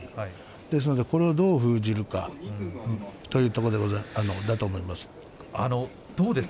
ですので、これをどう封じるかというところだと思います。